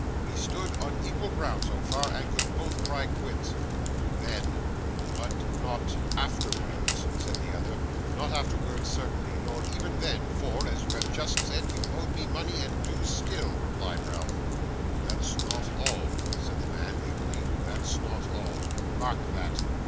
We stood on equal ground so far, and could both cry quits.' 'Then, but not afterwards,' said the other. 'Not afterwards, certainly, nor even then, for (as you have just said) you owed me money, and do still,' replied Ralph. 'That's not all,' said the man, eagerly. 'That's not all. Mark that.